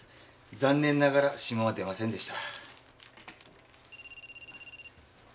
残念ながら指紋は出ませんでした。